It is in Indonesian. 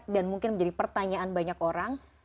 dan mungkin menjadi pertanyaan banyak orang